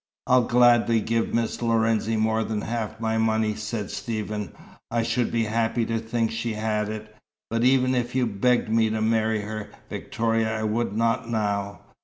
"I'll gladly give Miss Lorenzi more than half my money," said Stephen. "I should be happy to think she had it. But even if you begged me to marry her, Victoria, I would not now.